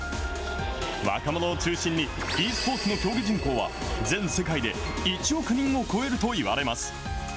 若者を中心にｅスポーツの競技人口は、全世界で１億人を超えるといわれます。